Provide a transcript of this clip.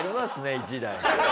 １台。